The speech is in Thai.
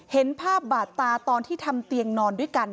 เห็นภาพบาดตาตอนที่ทำเตียงนอนด้วยกัน